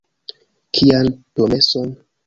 Kian promeson?